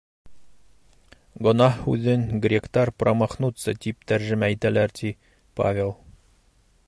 Гонаһ һүҙен гректар «промахнуться» тип тәржемә итәләр, ти Павел.